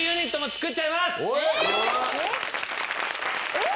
・えっ！？